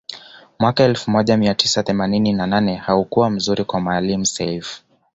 Mwaka elfu moja mia tisa themanini na nane haukuwa mzuri kwa Maalim Seif